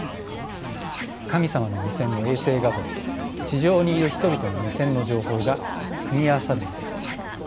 神様の目線の衛星画像と地上にいる人々の目線の情報が組み合わさるのです。